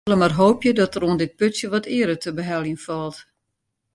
We sille mar hoopje dat der oan dit putsje wat eare te beheljen falt.